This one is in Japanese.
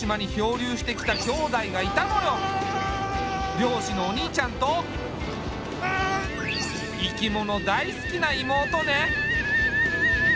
漁師のお兄ちゃんと生き物大好きな妹ね。